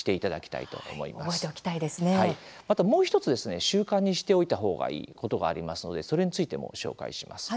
あと、もう１つ習慣にしておいた方がいいことがありますのでそれについても紹介します。